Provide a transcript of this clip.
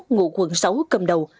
ngụ quận sáu cầm đầu